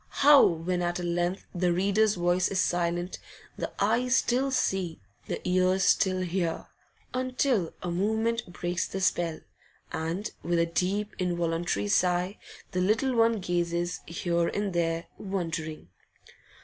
How, when at length the reader's voice is silent, the eyes still see, the ears still hear, until a movement breaks the spell, and with a deep, involuntary sigh the little one gazes here and there, wondering?